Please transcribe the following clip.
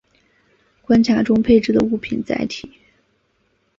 关卡中配置的物品载体。